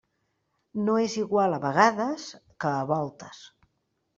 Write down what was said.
No és igual a vegades que a voltes.